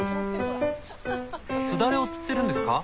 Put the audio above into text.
すだれをつってるんですか？